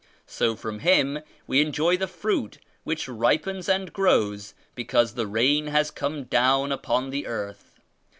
So from Him we enjoy the fruit which ripens and grows , because the rain has come down upon the earth.